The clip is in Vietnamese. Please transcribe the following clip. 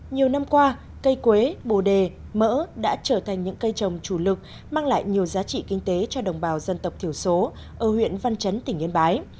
nhiều năm qua cây quế bồ đề mỡ đã trở thành những cây trồng chủ lực mang lại nhiều giá trị kinh tế cho đồng bào dân tộc thiểu số ở huyện văn chấn tỉnh yên bái